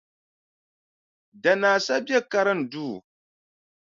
Danaa sa be karinduu.